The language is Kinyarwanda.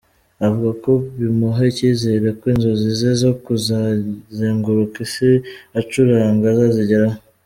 Avuga ko bimuha icyizere ko inzozi ze zo kuzazengurika Isi acuranga azazigeraho.